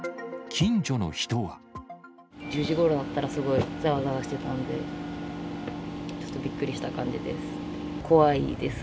１０時ごろになったら、すごいざわざわしてたので、ちょっとびっくりした感じです。